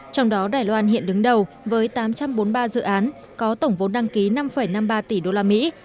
trong đó đài loan hiện đứng đầu với tám trăm bốn mươi ba dự án có tổng vốn đăng ký năm năm mươi ba tỷ đô la mỹ